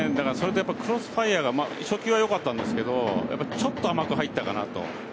クロスファイヤーが初球はよかったんですけどちょっと甘く入ったかなと。